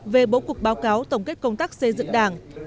về bố cục báo cáo tổng kết công tác xây dựng đảng